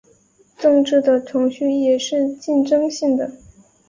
政治的程序也是竞争性的。